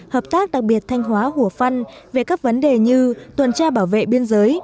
hợp tác đặc biệt thanh hóa hủa phăn về các vấn đề như tuần tra bảo vệ biên giới